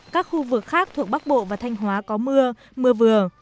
các khu vực khác thuộc bắc bộ và thanh hóa có mưa mưa vừa